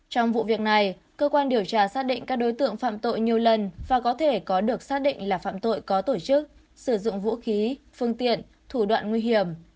trong vụ việc này cơ quan điều tra xác định các đối tượng phạm tội nhiều lần và có thể có được xác định là phạm tội có tổ chức sử dụng vũ khí phương tiện thủ đoạn nguy hiểm